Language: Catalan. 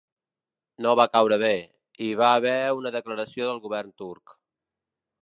No va caure bé, hi va haver una declaració del govern turc.